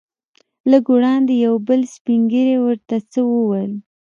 لږ وړاندې یو بل سپین ږیری ورته څه وویل.